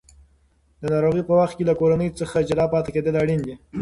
د ناروغۍ په وخت کې له کورنۍ څخه جلا پاتې کېدل اړین دي.